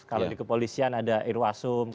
kalau di kepolisian ada irwasum